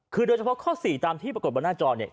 คือโดยเฉพาะข้อ๔ตามที่ปรากฏบนหน้าจอเนี่ย